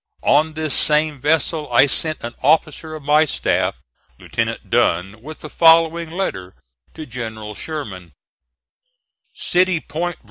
On this same vessel I sent an officer of my staff (Lieutenant Dunn) with the following letter to General Sherman: CITY POINT, VA.